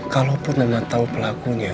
kalaupun mama tau pelakunya